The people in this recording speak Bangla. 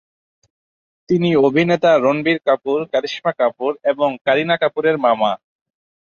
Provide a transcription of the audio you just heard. তিনি অভিনেতা রণবীর কাপুর, কারিশমা কাপুর এবং কারিনা কাপুরের মামা।